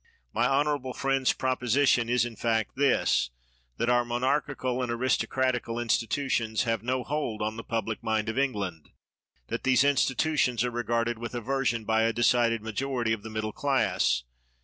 My honorable friend 's proposition is in fact this : that our monarchical and aristocratical institu tions have no hold on the public mind of Eng land; that these institutions are regarded with aversion by a decided majority of the middle class.